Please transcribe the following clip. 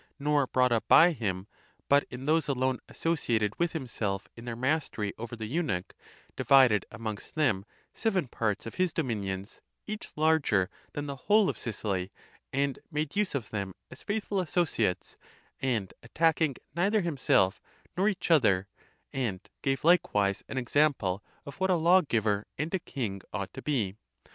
nor brought up by him, but in those alone associated with himself in their mastery 'over the eunuch,' divided amongst them seven parts of his do minions, each larger than the whole of Sicily, and made use of them as faithful associates, and attacking neither himself, nor each other; and gave likewise an example of what a lawgiver and a king ought to be.